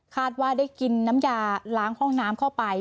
ว่าได้กินน้ำยาล้างห้องน้ำเข้าไป